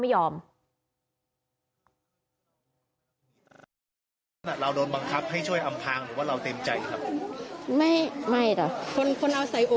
แม่ต้องเลียนไป